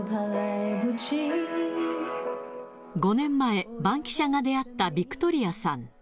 ５年前、バンキシャが出会ったビクトリアさん。